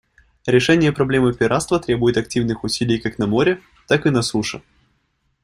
Решение проблемы пиратства требует активных усилий как на море, так и на суше.